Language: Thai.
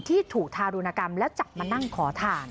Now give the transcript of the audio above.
ที่ถูกทารุณกรรมแล้วจับมานั่งขอทาน